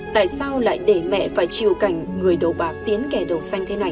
tại sao lại để mẹ phải chịu cảnh người đầu bạc tiến kẻ đầu xanh thế này